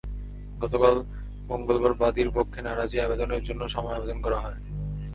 গতকাল মঙ্গলবার বাদীর পক্ষে নারাজি আবেদনের জন্য সময় আবেদন করা হয়।